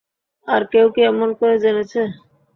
আর কেউ কি এমন করে জেনেছে।